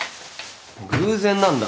偶然なんだ。